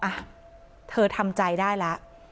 อ่ะเธอทำใจได้แล้ว